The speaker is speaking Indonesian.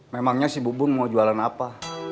memangnya si bubung mau jualan apa